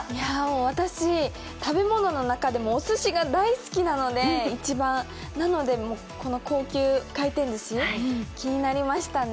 私、食べ物の中でもおすしが一番大好きなのでなので、高級回転ずし、気になりましたね。